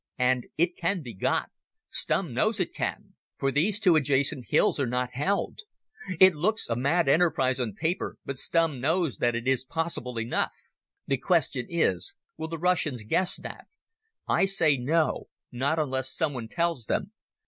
And it can be got; Stumm knows it can; for these two adjacent hills are not held ... It looks a mad enterprise on paper, but Stumm knows that it is possible enough. The question is: Will the Russians guess that? I say no, not unless someone tells them.